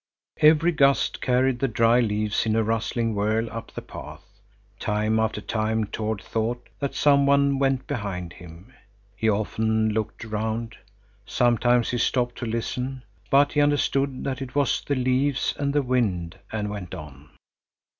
Every gust carried the dry leaves in a rustling whirl up the path. Time after time Tord thought that some one went behind him. He often looked round. Sometimes he stopped to listen, but he understood that it was the leaves and the wind, and went on.